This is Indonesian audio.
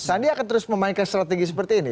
sandi akan terus memainkan strategi seperti ini